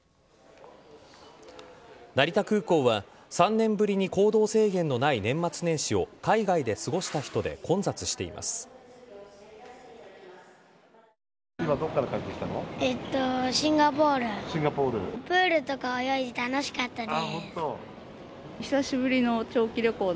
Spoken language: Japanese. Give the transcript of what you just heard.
成田空港は３年ぶりに行動制限のない年末年始を海外で過ごした人で混雑しています。